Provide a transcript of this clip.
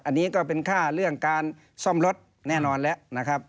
อันนี้ก็เป็นค่าเรื่องการซ่อมรถแน่นอนแล้วนะครับ